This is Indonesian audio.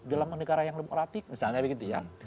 dalam negara yang demokratik misalnya begitu ya